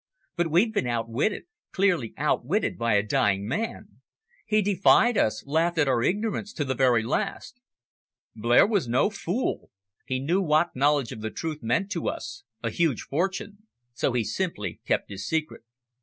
But we've been outwitted cleanly outwitted by a dying man. He defied us, laughed at our ignorance to the very last." "Blair was no fool. He knew what knowledge of the truth meant to us a huge fortune. So he simply kept his secret."